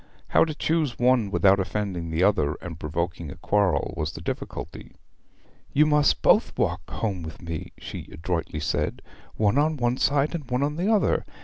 How to choose one without offending the other and provoking a quarrel was the difficulty. 'You must both walk home with me,' she adroitly said, 'one on one side, and one on the other.